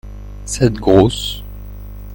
Cette grosse.